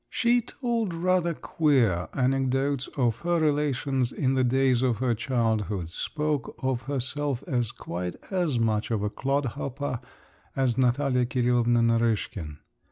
She told rather queer anecdotes of her relations in the days of her childhood, spoke of herself as quite as much of a clodhopper as Natalya Kirilovna Narishkin.